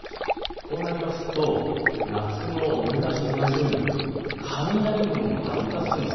こうなりますと夏の夕立と同じように雷雲が発達するんです。